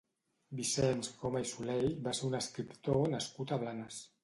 Vicenç Coma i Soley va ser un escriptor nascut a Blanes.